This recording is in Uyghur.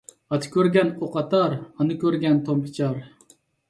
ئاتا كۆرگەن ئوق ئاتار، ئانا كۆرگەن تون پىچار.